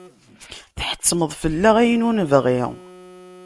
Tḥettmeḍ fell-aɣ ayen ur nebɣi.